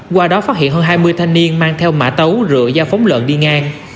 qua đó phát hiện hơn hai mươi thanh niên mang theo mã tấu rửa da phóng lợn đi ngang